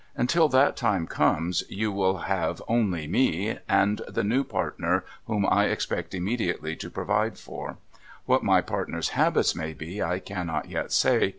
Until that time comes, you will only have me, and the new partner whom I expect immediately, to provide for. What my partner's habits may be, I cannot yet say.